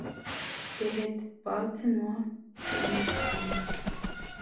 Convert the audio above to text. They had Baltimore Clipper lines.